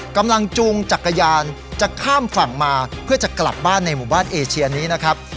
จูงจักรยานจะข้ามฝั่งมาเพื่อจะกลับบ้านในหมู่บ้านเอเชียนี้นะครับ